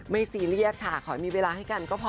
ซีเรียสค่ะขอให้มีเวลาให้กันก็พอ